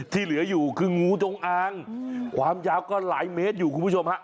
ที่เหลืออยู่คืองูจงอางความยาวก็หลายเมตรอยู่คุณผู้ชมฮะ